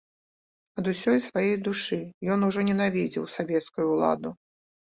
Ад усёй свае душы ён ужо ненавідзеў савецкую ўладу.